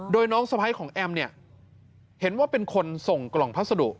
โดยน้องสะพ้ายของแอมเนี่ยเห็นว่าเป็นคนส่งกล่องพัสดุ